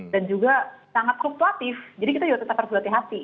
dan juga sangat fluktuatif jadi kita juga tetap harus berhati hati